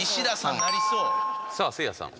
さあせいやさん。